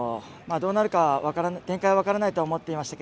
どうなるか展開は分からないと思っていましたが